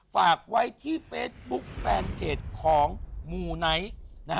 ฝากไว้ที่เฟซบุ๊คแฟนเพจของมูไนท์